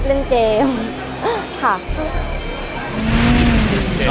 พี่ฟองอีก๑ดวงดาว